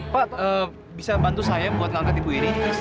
pak bisa bantu saya buat ngangkat ibu ini